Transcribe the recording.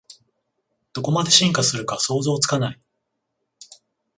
どこまで進化するか想像つかない